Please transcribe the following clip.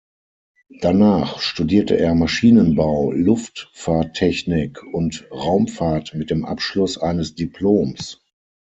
Danach studierte er Maschinenbau, Luftfahrttechnik und Raumfahrt mit dem Abschluss eines Diploms.